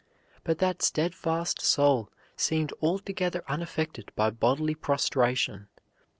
But that steadfast soul seemed altogether unaffected by bodily prostration.